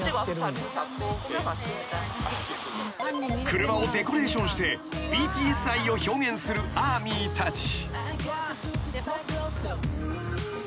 ［車をデコレーションしてＢＴＳ愛を表現するＡＲＭＹたち］